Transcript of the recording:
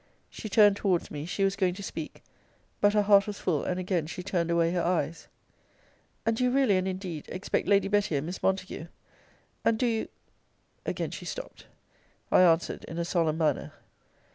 She turned towards me she was going to speak; but her heart was full, and again she turned away her eyes, And do you really and indeed expect Lady Betty and Miss Montague? And do you Again she stopt. I answered in a solemn manner.